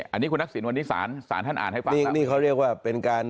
อันนี้คุณทักษิณวันนี้ศาลศาลท่านอ่านให้ฟังนี่เขาเรียกว่าเป็นการ